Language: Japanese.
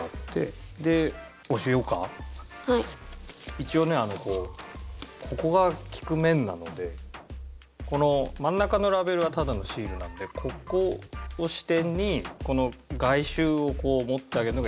一応ねこうここが聴く面なのでこの真ん中のラベルはただのシールなのでここを支点にこの外周をこう持ってあげるのが一番まあいい。